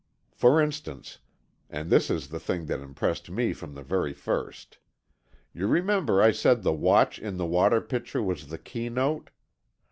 For instance, and this is the thing that impressed me from the very first. You remember I said the watch in the water pitcher was the keynote.